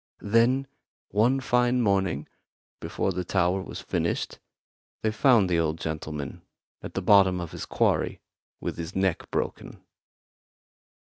Then one fine morning before the tower was finished they found the old gentleman at the bottom of his quarry with his neck broken."